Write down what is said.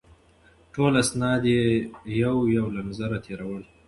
ټول اسناد یې یو یو له نظره تېرول.